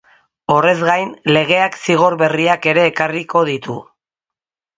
Horrez gain, legeak zigor berriak ere ekarriko ditu.